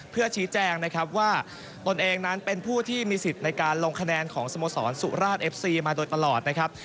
เพื่อชี้แจงนะครับว่าตนเองนั้นเป็นผู้ที่มีสิทธิ์ในการลงคะแนนของสโมสรสุราชเอฟซีมาโดยตลอดนะครับ